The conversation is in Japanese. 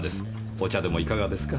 お茶でもいかがですか？